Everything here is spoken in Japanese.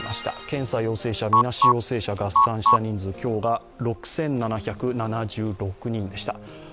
検査陽性者、みなし陽性者合算した人数今日が６７７６人でした。